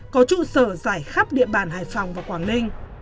có trụ sở dài khắp địa bàn hải phòng và quảng ninh